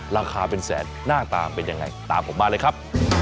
ราคาเป็นแสนหน้าตาเป็นยังไงตามผมมาเลยครับ